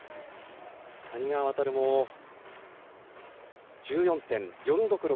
谷川航も１４．４６６